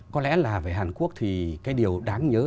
có lẽ là về hàn quốc thì cái điều đáng nhớ